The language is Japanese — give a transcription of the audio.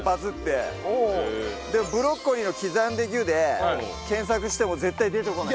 でも「ブロッコリーの刻んでギュッ」で検索しても絶対出てこない。